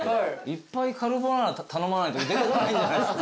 いっぱいカルボナーラ頼まないと出てこないんじゃ。